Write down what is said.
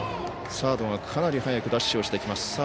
サードがかなり速くダッシュしてきます。